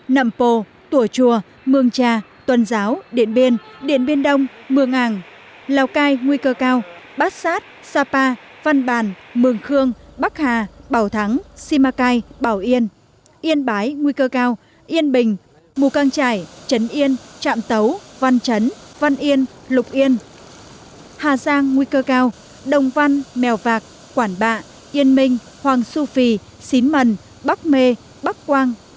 nậm pô tùa chùa mường trà tuần giáo điện biên điện biên đông mường ảng lào cai nguy cơ cao bát sát sapa văn bàn mường khương bắc hà bảo thắng simacai bảo yên yên bái nguy cơ cao yên bình mù căng trải trấn yên trạm tấu văn trấn văn yên lục yên hà giang nguy cơ cao đồng văn mèo vạc quản bạ yên minh hoàng su phi xín mần bắc mê bắc quang